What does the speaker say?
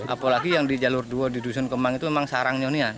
apalagi yang di jalur dua di dusun kemang itu memang sarang nyonya